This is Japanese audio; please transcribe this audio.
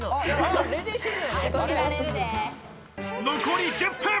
残り１０分。